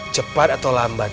cepat atau lambat